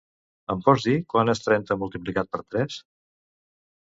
Em pots dir quant és trenta multiplicat per tres?